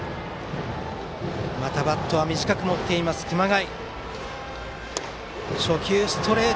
またバットは短く持っている熊谷。